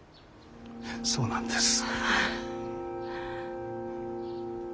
そうなんです。